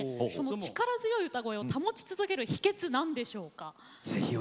力強い歌声を保ち続ける秘けつは何でしょうか。